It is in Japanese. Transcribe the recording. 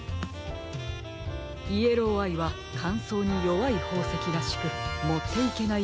イエローアイはかんそうによわいほうせきらしくもっていけないようなので。